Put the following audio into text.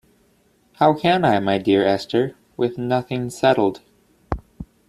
How can I, my dear Esther, with nothing settled!